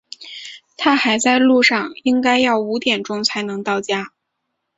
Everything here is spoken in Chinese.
他还在路上，应该要五点钟才能到家。